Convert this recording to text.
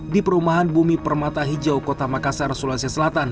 di perumahan bumi permata hijau kota makassar sulawesi selatan